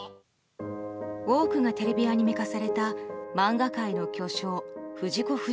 多くがテレビアニメ化された漫画界の巨匠・藤子